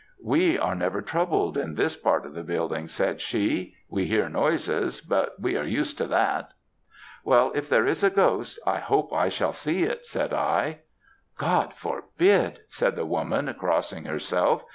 "'We are never troubled in this part of the building,' said she. 'We hear noises, but we are used to that.' "'Well, if there is a ghost, I hope I shall see it,' said I. "'God forbid!' said the woman, crossing herself.